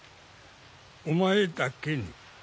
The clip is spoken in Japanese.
お前だけに。